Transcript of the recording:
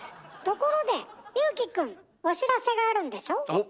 ところで祐貴くんお知らせがあるんでしょ？